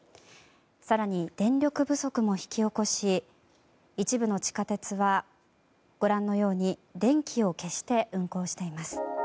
更に電力不足も引き起こし一部の地下鉄は、ご覧のように電気を消して運行しています。